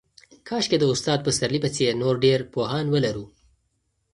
کاشکې د استاد پسرلي په څېر نور ډېر پوهان ولرو.